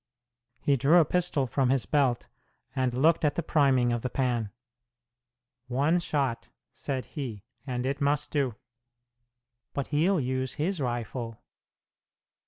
He drew a pistol from his belt and looked at the priming of the pan. "One shot," said he; "and it must do." "But he'll use his rifle."